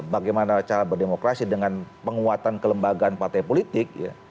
bagaimana cara berdemokrasi dengan penguatan kelembagaan partai politik